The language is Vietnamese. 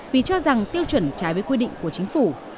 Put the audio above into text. vì cho rằng tiêu chuẩn trái với quy định của chính phủ